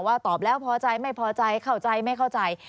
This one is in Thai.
ตอบแล้วพอใจไม่พอใจเข้าใจไม่เข้าใจ